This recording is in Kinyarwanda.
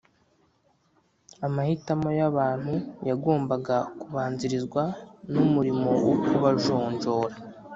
Amahitamo ‘yabantu yagombaga kubanzirizwa n’umurimo wo kubajonjora